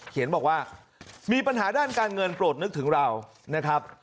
บอกว่ามีปัญหาด้านการเงินโปรดนึกถึงเรานะครับ